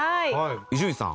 伊集院さん。